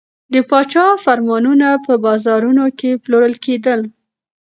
د پاچا فرمانونه په بازارونو کې پلورل کېدل.